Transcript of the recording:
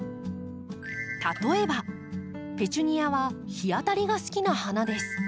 例えばペチュニアは日当たりが好きな花です。